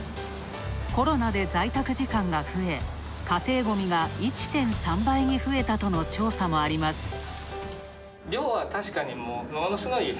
コロナで在宅時間が増え、家庭ごみが１．３倍に増えたとの調査もあります。